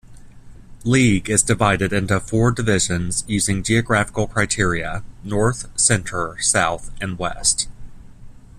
League is divided into four divisions using geographical criteria: North, Center, South and West.